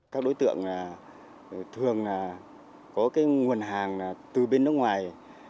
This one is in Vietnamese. các đối tượng thường có nguồn hàng từ bên nước ngoài